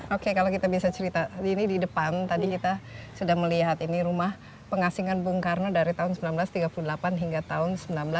oke kalau kita bisa cerita ini di depan tadi kita sudah melihat ini rumah pengasingan bung karno dari tahun seribu sembilan ratus tiga puluh delapan hingga tahun seribu sembilan ratus sembilan puluh